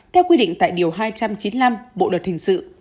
theo quy định tại điều hai trăm chín mươi năm bộ luật hình sự